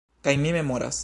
Kaj mi memoras...